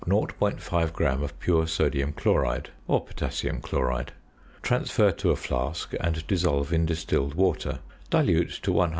5 gram of pure sodium chloride (or potassium chloride). Transfer to a flask and dissolve in distilled water; dilute to 100 c.